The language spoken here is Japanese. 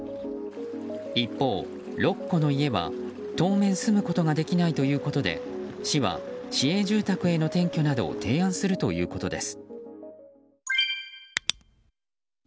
一方、６戸の家は当面住むことができないということで市は市営住宅への転居などを提案するということです。